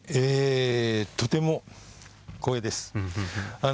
とても光栄です。